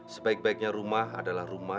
sebaik baiknya rumah adalah rumah